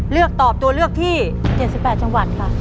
เลือกตอบตัวเลือกที่๗๘จังหวัดค่ะ